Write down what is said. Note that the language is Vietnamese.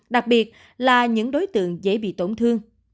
đặc biệt là những đối tượng dễ bị tổn thương